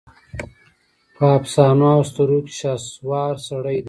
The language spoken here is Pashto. په افسانواواسطوروکې شهسوار سړی دی